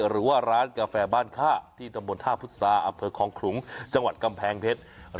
หรือว่าร้านกาแฟบ้านค่าที่ตำบลท่าพุษาอำเภอคลองขลุงจังหวัดกำแพงเพชร